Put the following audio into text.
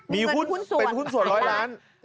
มีหุ้นส่วน๑๐๐ล้าน